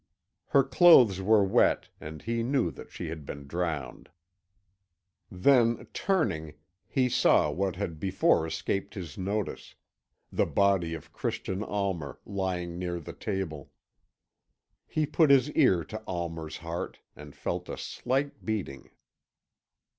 Her clothes were wet, and he knew that she had been drowned. Then, turning, he saw what had before escaped his notice the body of Christian Almer, lying near the table. He put his ear to Almer's heart and felt a slight beating.